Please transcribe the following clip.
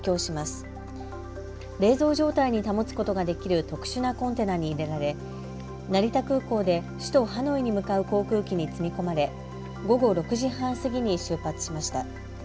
冷蔵状態に保つことができる特殊なコンテナに入れられ成田空港で首都ハノイに向かう航空機に積み込まれ午後６時半過ぎに出発しました。